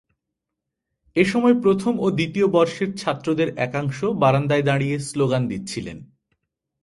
এ সময় প্রথম ও দ্বিতীয় বর্ষের ছাত্রদের একাংশ বারান্দায় দাঁড়িয়ে স্লোগান দিচ্ছিলেন।